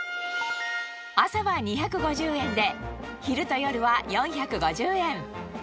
朝は２５０円で、昼と夜は４５０円。